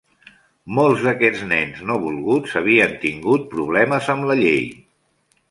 Molts d'aquests nens no volguts havien tingut problemes amb la llei.